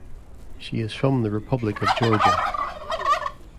She is from the Republic of Georgia.